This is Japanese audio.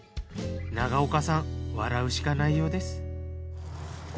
長岡さん笑うしかないようです。